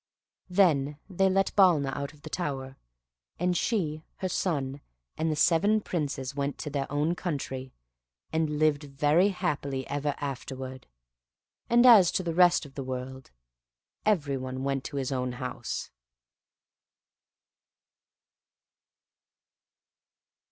Then they let Balna out of the tower; and she, her son, and the seven Princes went to their own country, and lived very happily ever afterward. And as to the rest of the world, everyone went to his own house.